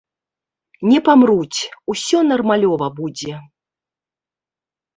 Не памруць, усё нармалёва будзе.